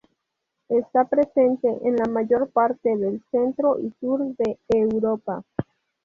Está presente en la mayor parte del centro y sur de Europa.